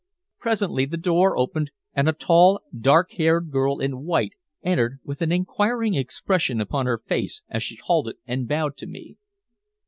Presently the door opened, and a tall dark haired girl in white entered with an enquiring expression upon her face as she halted and bowed to me.